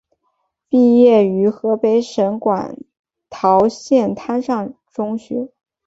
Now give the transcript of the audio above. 毕业于河北省馆陶县滩上中学。